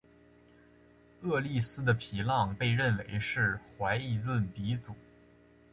厄利斯的皮浪被认为是怀疑论鼻祖。